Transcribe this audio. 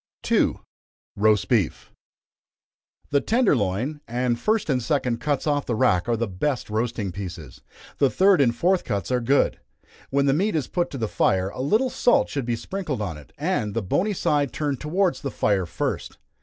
2. Roast Beef. The tender loin and first and second cuts off the rack are the best roasting pieces the third and fourth cuts are good. When the meat is put to the fire, a little salt should be sprinkled on it, and the bony side turned towards the fire first.